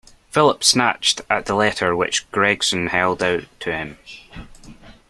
Philip snatched at the letter which Gregson held out to him.